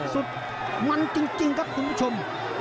สุดมันจริงครับคุณผู้ชม